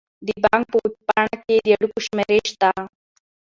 د بانک په ویب پاڼه کې د اړیکو شمیرې شته.